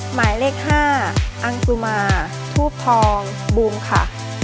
หมายเลข๕อังสุมาทูบทองบูมค่ะ